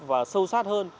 và sâu sát hơn